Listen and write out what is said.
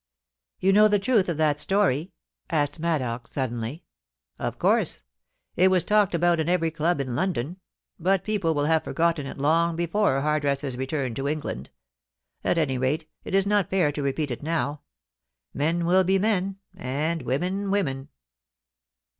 * You know the truth of that story ?' asked Maddox, sud denly. 'Of course. It was talked about in every club in London; but people will have forgotten it long before Hardress's return to England At any rate, it is not fair to repeat it now. Men will be men, and women, women.